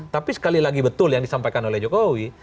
tapi sekali lagi betul yang disampaikan oleh jokowi